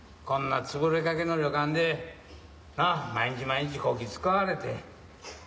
こんな潰れかけの旅館でなあ毎日毎日こき使われて。